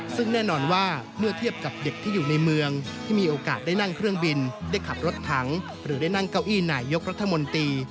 ซึ่งแน่นอนว่าเมื่อเทียบกับเด็กที่อยู่ในเมืองที่มีโอกาสได้นั่งเครื่องบินได้ขับรถถังหรือได้นั่งเก้าอี้นายกรัฐมนตรี